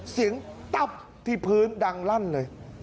ตับที่พื้นดังลั่นเลย